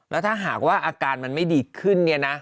แล้วถ้าหากว่าอาการมันไม่ดีขึ้นเนี่ยนะ